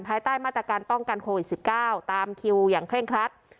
ภายใต้มาตรการป้องกันโควิด๑๙ตามคิวอย่างเคร่งครัด